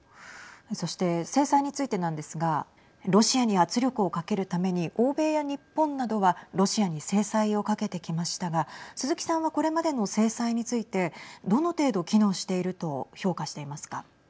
そして制裁についてなんですがロシアに圧力をかけるために欧米や日本などはロシアに制裁をかけてきましたが鈴木さんはこれまでの制裁についてどの程度、機能していると評価していますか。